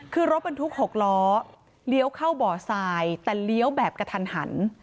คือรถบรรทุก๖ล้อเลี้ยวเข้าบ่อทรายแต่เลี้ยวแบบกระทันหัน